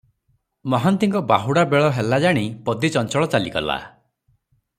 ମହାନ୍ତିଙ୍କ ବାହୁଡ଼ା ବେଳ ହେଲା ଜାଣି ପଦୀ ଚଞ୍ଚଳ ଚାଲିଗଲା ।